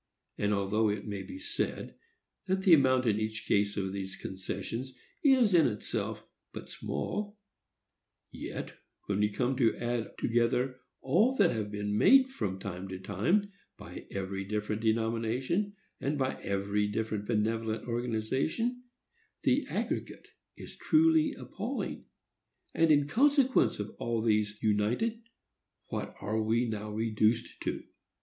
And although it may be said that the amount in each case of these concessions is in itself but small, yet, when we come to add together all that have been made from time to time by every different denomination, and by every different benevolent organization, the aggregate is truly appalling; and, in consequence of all these united, what are we now reduced to?